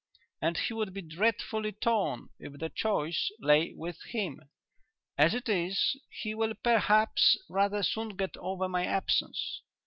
And he would be dreadfully torn if the choice lay with him. As it is, he will perhaps rather soon get over my absence.